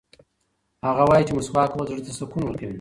هغه وایي چې مسواک وهل زړه ته سکون ورکوي.